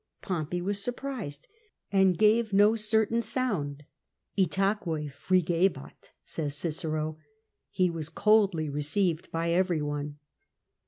Pompey was surprised and gave no certain sound : Hague frigelat^ says Cicero — he was coldly received by every one.